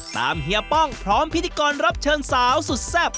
เฮียป้องพร้อมพิธีกรรับเชิงสาวสุดแซ่บ